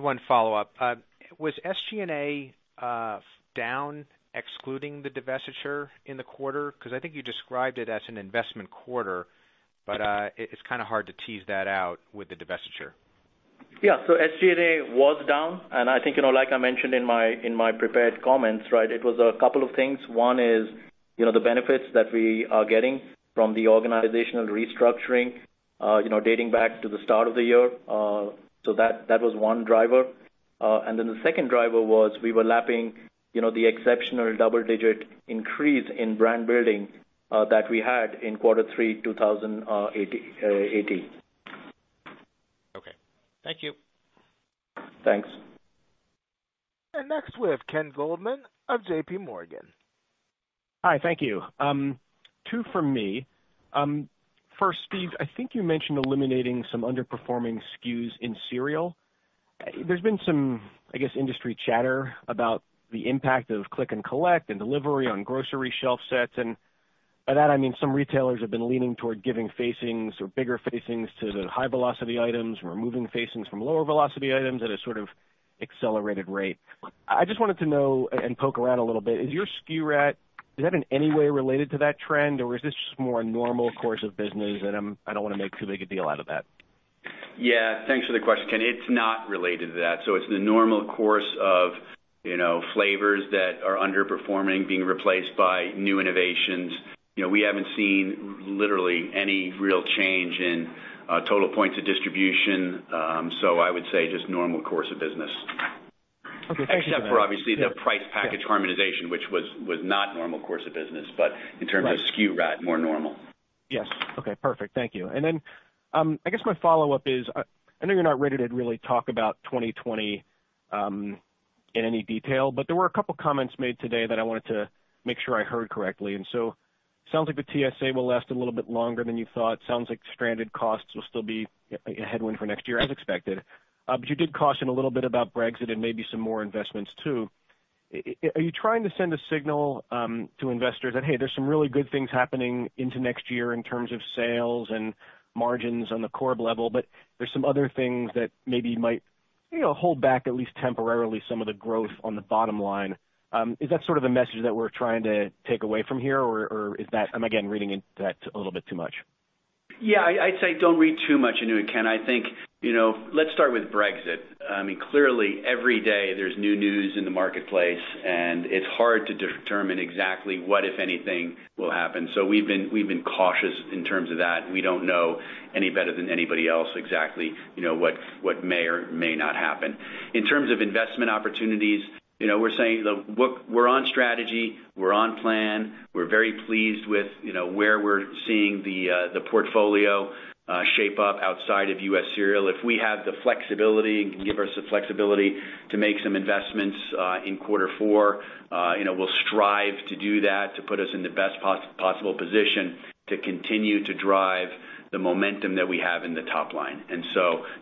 One follow-up, was SG&A down excluding the divestiture in the quarter? I think you described it as an investment quarter, but it's kind of hard to tease that out with the divestiture. Yeah. SG&A was down, and I think, like I mentioned in my prepared comments, right, it was a couple of things. One is, the benefits that we are getting from the organizational restructuring, dating back to the start of the year. That was one driver. The second driver was we were lapping the exceptional double-digit increase in brand building that we had in quarter 3, 2018. Okay. Thank you. Thanks. Next we have Kenneth Goldman of JP Morgan. Hi. Thank you. Two from me. First, Steve, I think you mentioned eliminating some underperforming SKUs in cereal. There's been some, I guess, industry chatter about the impact of click and collect and delivery on grocery shelf sets, and by that I mean some retailers have been leaning toward giving facings or bigger facings to the high velocity items, removing facings from lower velocity items at a sort of accelerated rate. I just wanted to know and poke around a little bit, is your SKU rationalization, is that in any way related to that trend, or is this just more a normal course of business and I don't want to make too big a deal out of that? Yeah, thanks for the question, Ken. It's not related to that. It's the normal course of flavors that are underperforming being replaced by new innovations. We haven't seen literally any real change in total points of distribution. I would say just normal course of business. Okay. Thank you. Except for obviously the price package harmonization, which was not normal course of business, but in terms of SKU rationalization, more normal. Yes. Okay, perfect. Thank you. I guess my follow-up is, I know you're not ready to really talk about 2020 in any detail. There were a couple comments made today that I wanted to make sure I heard correctly. Sounds like the TSA will last a little bit longer than you thought. Sounds like stranded costs will still be a headwind for next year as expected. You did caution a little bit about Brexit and maybe some more investments too. Are you trying to send a signal to investors that, hey, there's some really good things happening into next year in terms of sales and margins on the core level, but there's some other things that maybe might hold back, at least temporarily, some of the growth on the bottom line? Is that sort of the message that we're trying to take away from here, or am I again reading into that a little bit too much? Yeah, I'd say don't read too much into it, Ken. I think, let's start with Brexit. Clearly every day there's new news in the marketplace, and it's hard to determine exactly what, if anything, will happen. We've been cautious in terms of that, and we don't know any better than anybody else exactly what may or may not happen. In terms of investment opportunities, we're saying we're on strategy, we're on plan, we're very pleased with where we're seeing the portfolio shape up outside of U.S. Cereal. If we have the flexibility and can give us the flexibility to make some investments in quarter four, we'll strive to do that to put us in the best possible position to continue to drive the momentum that we have in the top line.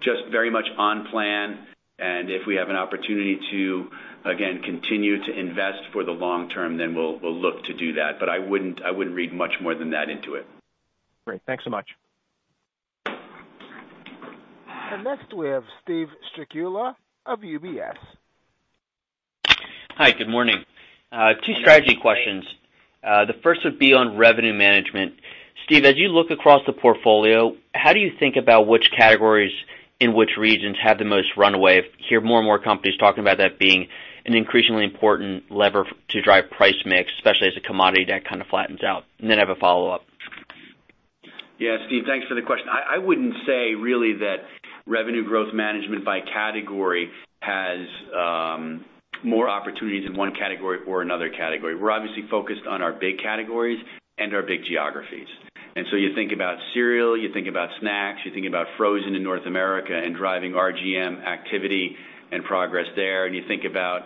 Just very much on plan, and if we have an opportunity to, again, continue to invest for the long term, then we'll look to do that. I wouldn't read much more than that into it. Great. Thanks so much. Next we have Steven Strycula of UBS. Hi, good morning. Two strategy questions. The first would be on revenue management. Steve, as you look across the portfolio, how do you think about which categories in which regions have the most runway? Hear more and more companies talking about that being an increasingly important lever to drive price mix, especially as a commodity that kind of flattens out. Then I have a follow-up. Yeah, Steve, thanks for the question. I wouldn't say really that revenue growth management by category has more opportunities in one category or another category. We're obviously focused on our big categories and our big geographies. You think about cereal, you think about snacks, you think about frozen in North America and driving RGM activity and progress there, and you think about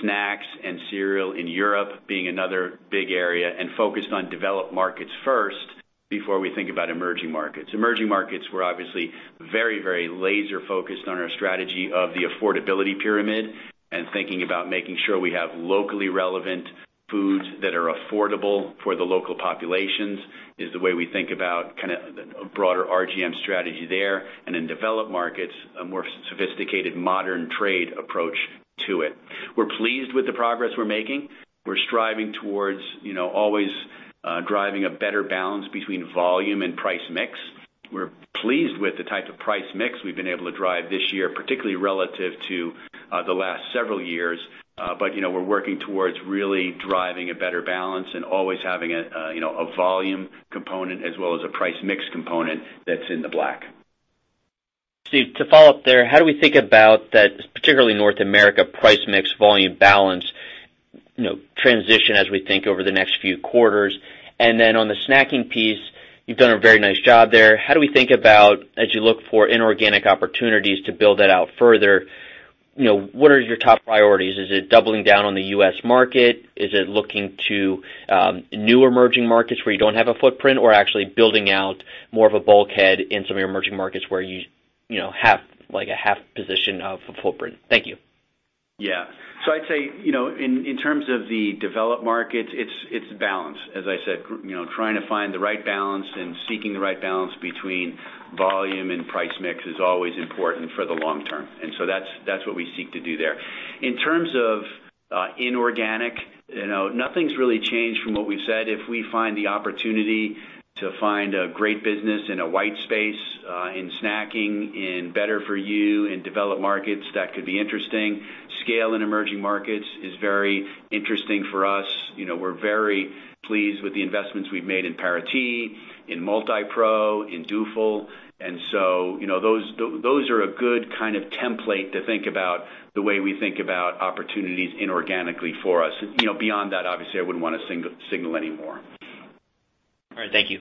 snacks and cereal in Europe being another big area and focused on developed markets first before we think about emerging markets. Emerging markets, we're obviously very laser focused on our strategy of the affordability pyramid and thinking about making sure we have locally relevant foods that are affordable for the local populations is the way we think about a broader RGM strategy there and in developed markets, a more sophisticated modern trade approach to it. We're pleased with the progress we're making. We're striving towards always driving a better balance between volume and price mix. We're pleased with the type of price mix we've been able to drive this year, particularly relative to the last several years. We're working towards really driving a better balance and always having a volume component as well as a price mix component that's in the black. Steve, to follow up there, how do we think about that, particularly North America, price mix, volume balance, transition as we think over the next few quarters? On the snacking piece, you've done a very nice job there. How do we think about, as you look for inorganic opportunities to build that out further, what are your top priorities? Is it doubling down on the U.S. market? Is it looking to new emerging markets where you don't have a footprint or actually building out more of a bulkhead in some of your emerging markets where you have a half position of a footprint? Thank you. I'd say, in terms of the developed markets, it's balance. As I said, trying to find the right balance and seeking the right balance between volume and price mix is always important for the long term. That's what we seek to do there. In terms of inorganic, nothing's really changed from what we've said. If we find the opportunity to find a great business in a white space, in snacking, in better for you, in developed markets, that could be interesting. Scale in emerging markets is very interesting for us. We're very pleased with the investments we've made in Parati, in MultiPro, in Dufil. Those are a good kind of template to think about the way we think about opportunities inorganically for us. Beyond that, obviously, I wouldn't want to signal any more. All right. Thank you.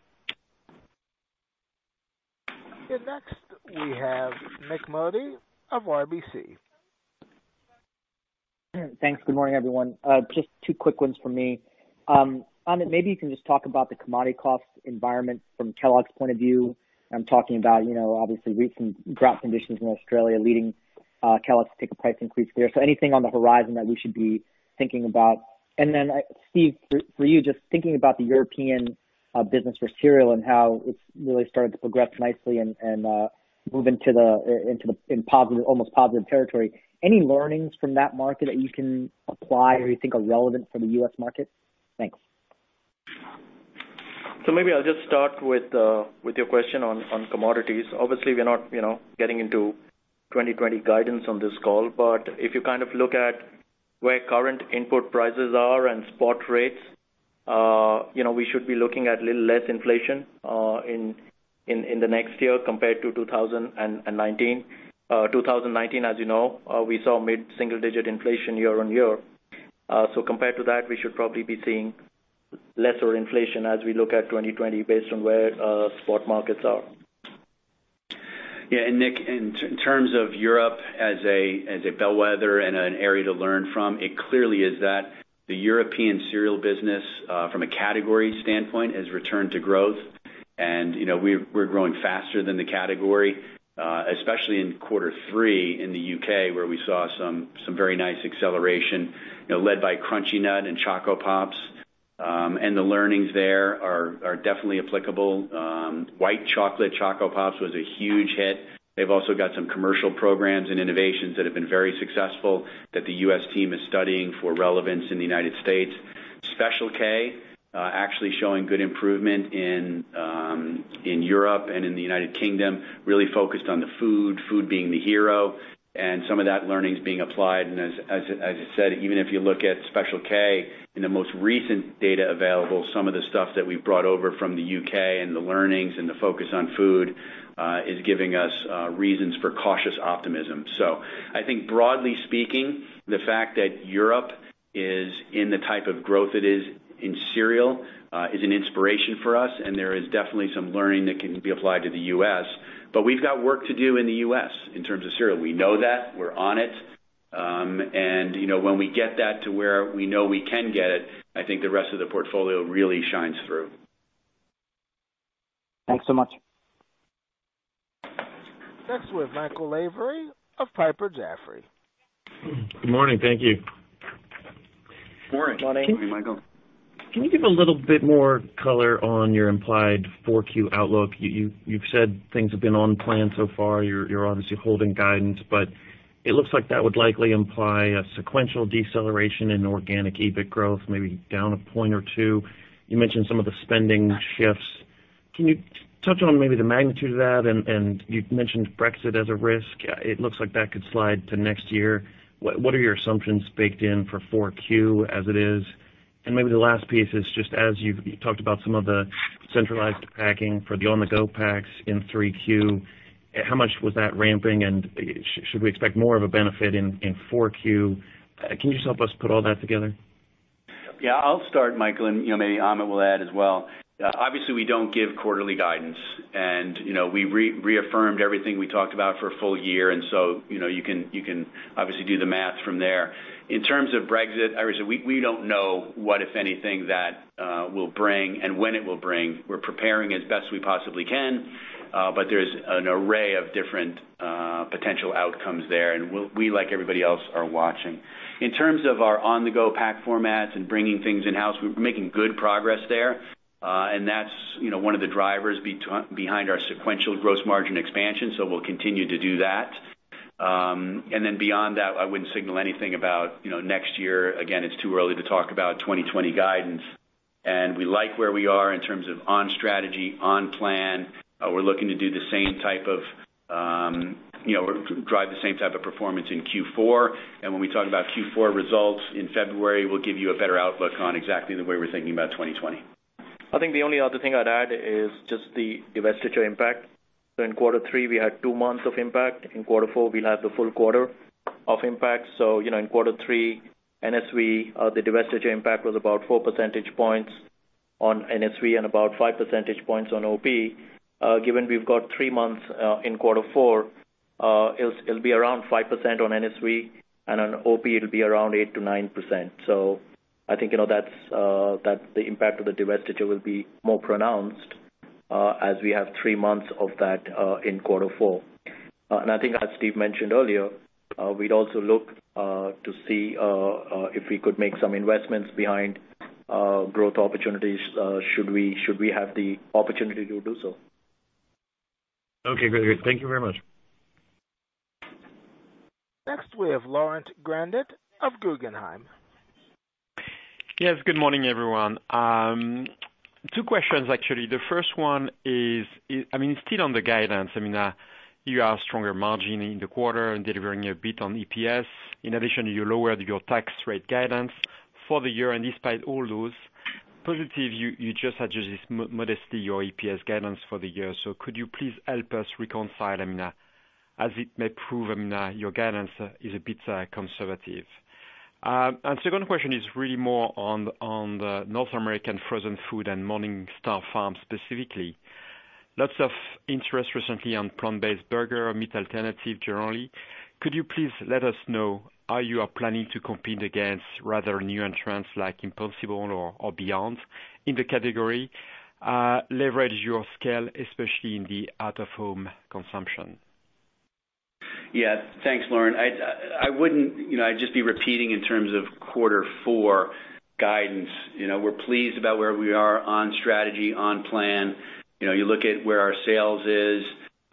Next, we have Nik Modi of RBC. Thanks. Good morning, everyone. Just two quick ones from me. Amit, maybe you can just talk about the commodity cost environment from Kellogg's point of view. I'm talking about, obviously recent drought conditions in Australia leading Kellogg's to take a price increase there. Anything on the horizon that we should be thinking about? Steve, for you, just thinking about the European business for cereal and how it's really started to progress nicely and move into almost positive territory. Any learnings from that market that you can apply or you think are relevant for the U.S. market? Thanks. Maybe I'll just start with your question on commodities. Obviously, we're not getting into 2020 guidance on this call, but if you look at where current input prices are and spot rates, we should be looking at little less inflation in the next year compared to 2019. 2019, as you know, we saw mid-single-digit inflation year-on-year. Compared to that, we should probably be seeing lesser inflation as we look at 2020 based on where spot markets are. Yeah. Nik, in terms of Europe as a bellwether and an area to learn from, it clearly is that the European cereal business, from a category standpoint, has returned to growth. We're growing faster than the category, especially in quarter 3 in the U.K., where we saw some very nice acceleration led by Crunchy Nut and Coco Pops. The learnings there are definitely applicable. White Chocolate Coco Pops was a huge hit. They've also got some commercial programs and innovations that have been very successful that the U.S. team is studying for relevance in the United States. Special K actually showing good improvement in Europe and in the United Kingdom, really focused on the food being the hero, and some of that learning is being applied. As I said, even if you look at Special K in the most recent data available, some of the stuff that we've brought over from the U.K. and the learnings and the focus on food is giving us reasons for cautious optimism. I think broadly speaking, the fact that Europe is in the type of growth it is in cereal, is an inspiration for us, and there is definitely some learning that can be applied to the U.S., but we've got work to do in the U.S. in terms of cereal. We know that, we're on it. When we get that to where we know we can get it, I think the rest of the portfolio really shines through. Thanks so much. Next with Michael Lavery of Piper Jaffray. Good morning. Thank you. Morning. Morning. Morning, Michael. Can you give a little bit more color on your implied Q4 outlook? You've said things have been on plan so far. You're obviously holding guidance. It looks like that would likely imply a sequential deceleration in organic EBIT growth, maybe down a point or two. You mentioned some of the spending shifts. Can you touch on maybe the magnitude of that? You mentioned Brexit as a risk. It looks like that could slide to next year. What are your assumptions baked in for Q4 as it is? Maybe the last piece is just as you talked about some of the centralized packing for the on-the-go packs in Q3, how much was that ramping, and should we expect more of a benefit in Q4? Can you just help us put all that together? Yeah, I'll start, Michael, and maybe Amit will add as well. Obviously, we don't give quarterly guidance. We reaffirmed everything we talked about for a full year, so you can obviously do the math from there. In terms of Brexit, [I mean], we don't know what, if anything, that will bring and when it will bring. We're preparing as best we possibly can. There's an array of different potential outcomes there, we, like everybody else, are watching. In terms of our on-the-go pack formats and bringing things in-house, we're making good progress there. That's one of the drivers behind our sequential gross margin expansion. We'll continue to do that. Beyond that, I wouldn't signal anything about next year. Again, it's too early to talk about 2020 guidance. We like where we are in terms of on strategy, on plan. We're looking to drive the same type of performance in Q4. When we talk about Q4 results in February, we'll give you a better outlook on exactly the way we're thinking about 2020. I think the only other thing I'd add is just the divestiture impact. In quarter three, we had two months of impact. In quarter four, we'll have the full quarter of impact. In quarter three, NSV, the divestiture impact was about four percentage points on NSV and about five percentage points on OP. Given we've got three months in quarter four, it'll be around 5% on NSV, and on OP it'll be around eight to 9%. I think, the impact of the divestiture will be more pronounced as we have three months of that in quarter four. I think as Steve mentioned earlier, we'd also look to see if we could make some investments behind growth opportunities should we have the opportunity to do so. Okay, great. Thank you very much. Next, we have Laurent Grandet of Guggenheim. Yes, good morning, everyone. Two questions, actually. The first one is, still on the guidance, you have stronger margin in the quarter and delivering a bit on EPS. You lowered your tax rate guidance for the year. Despite all those positive, you just adjusted modestly your EPS guidance for the year. Could you please help us reconcile, as it may prove your guidance is a bit conservative. Second question is really more on the North American frozen food and MorningStar Farms specifically. Lots of interest recently on plant-based burger, meat alternative generally. Could you please let us know how you are planning to compete against rather new entrants like Impossible or Beyond in the category, leverage your scale, especially in the out-of-home consumption? Yeah. Thanks, Laurent. I'd just be repeating in terms of quarter 4 guidance. We're pleased about where we are on strategy, on plan. You look at where our sales is,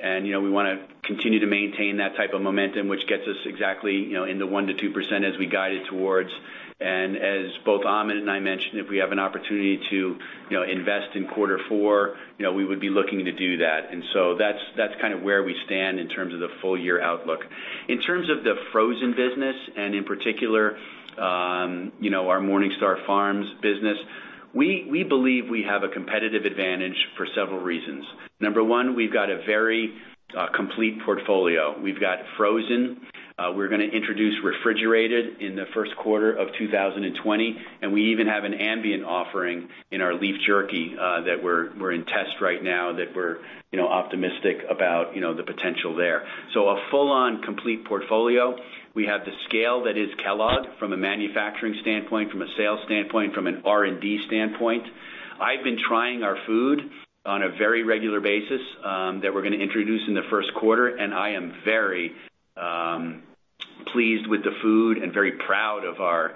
we want to continue to maintain that type of momentum, which gets us exactly into 1% to 2% as we guided towards. As both Amit and I mentioned, if we have an opportunity to invest in quarter 4, we would be looking to do that. That's kind of where we stand in terms of the full-year outlook. In terms of the frozen business, and in particular, our MorningStar Farms business, we believe we have a competitive advantage for several reasons. Number 1, we've got a very complete portfolio. We've got frozen. We're gonna introduce refrigerated in the first quarter of 2020, and we even have an ambient offering in our Beleaf Jerky that we're in test right now that we're optimistic about the potential there. A full-on complete portfolio. We have the scale that is Kellogg from a manufacturing standpoint, from a sales standpoint, from an R&D standpoint. I've been trying our food on a very regular basis that we're gonna introduce in the first quarter, and I am very pleased with the food and very proud of our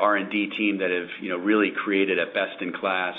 R&D team that have really created a best-in-class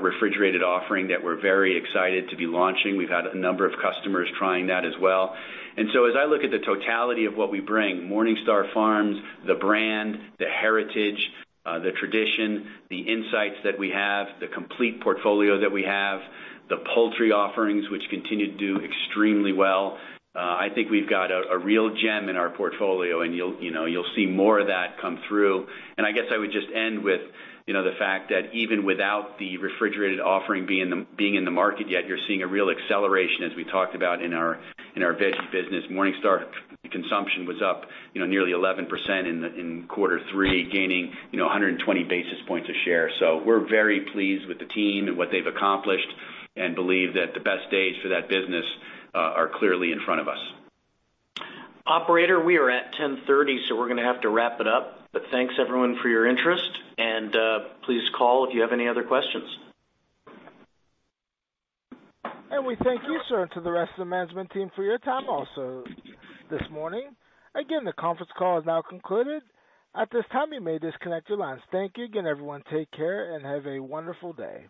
refrigerated offering that we're very excited to be launching. We've had a number of customers trying that as well. As I look at the totality of what we bring, MorningStar Farms, the brand, the heritage, the tradition, the insights that we have, the complete portfolio that we have, the poultry offerings, which continue to do extremely well, I think we've got a real gem in our portfolio, and you'll see more of that come through. I guess I would just end with the fact that even without the refrigerated offering being in the market yet, you're seeing a real acceleration, as we talked about in our veggie business. MorningStar consumption was up nearly 11% in quarter three, gaining 120 basis points of share. We're very pleased with the team and what they've accomplished and believe that the best days for that business are clearly in front of us. Operator, we are at 10:30 A.M., we're gonna have to wrap it up. Thanks everyone for your interest, and please call if you have any other questions. We thank you, sir, and to the rest of the management team for your time also this morning. Again, the conference call is now concluded. At this time, you may disconnect your lines. Thank you again, everyone. Take care and have a wonderful day.